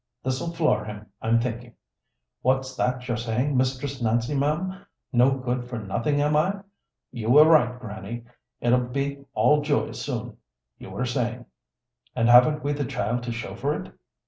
This'll floor him, I'm thinking. What's that you're saying, Mistress Nancy, ma'am? No good for nothing, am I? You were right, Grannie. 'It'll be all joy soon,' you were saying, and haven't we the child to show for it?